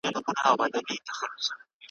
ټوله ښکلا ورڅخه واخلي `